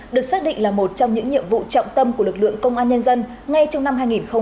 được xác định là một trong những nhiệm vụ trọng tâm của lực lượng công an nhân dân ngay trong năm hai nghìn hai mươi ba